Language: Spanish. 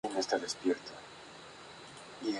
Actualmente reside en la localidad de Rishon LeZion.